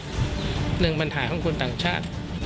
หนึ่งปัญหาของคนต่างชาติ